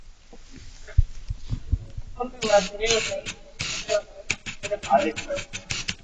Ng'ombe huathiriwa zaidi lakini pia unaweza kuathiri kondoo na mbuzi